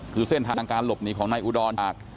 คือเส้นทางการหลบหนีของนายอุดรจาก